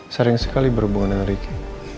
sering sekali berhubungan dengan ricky